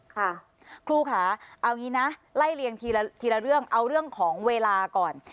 ครูค่ะเอางี้นะไล่เรียงทีละเรื่องเอาเรื่องของเวลาก่อน